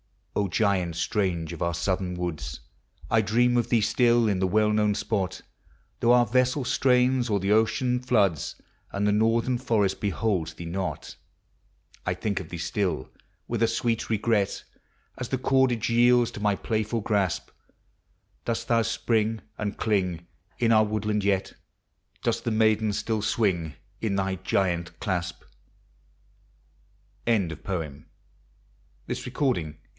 giant strange of our Southern woods: I dream of thee still in Hie well known spot, Though our vessel strains o'er the ocean floods, And the northern forest beholds thee aot; 1 think of thee still with a sweel regret, As the cordage yields to my playful grasp, Dost thou spring and cling in our woodlands y Does the maiden still swing in thj giant claspl WILLIAM 0ILM0BB 91 m ms.